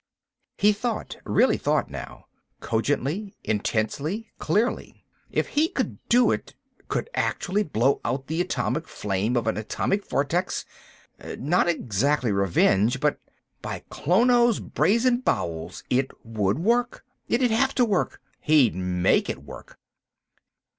He thought. Really thought, now; cogently, intensely, clearly. If he could do it ... could actually blow out the atomic flame of an atomic vortex ... not exactly revenge, but.... By Klono's brazen bowels, it would work—it'd have to work—he'd make it work!